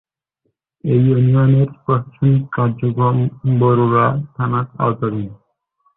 এ ইউনিয়নের প্রশাসনিক কার্যক্রম বরুড়া থানার আওতাধীন।